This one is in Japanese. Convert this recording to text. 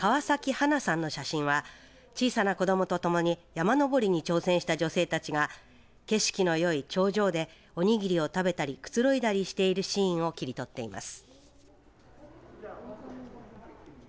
華さんの写真は小さな子どもと共に山登りに挑戦した女性たちが景色のよい頂上でおにぎりを食べたりくつろいだりしているシーンを切り取っています。